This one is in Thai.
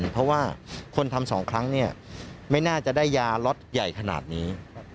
เพราะว่าคนทำ๒ครั้งไม่น่าจะได้ยาล็อตใหญ่ขนาดนี้